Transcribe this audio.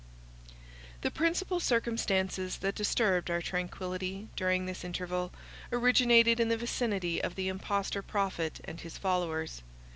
The principal circumstances that disturbed our tranquillity during this interval, originated in the vicinity of the impostor prophet and his followers.